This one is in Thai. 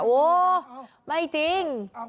โอ้ไม่จริง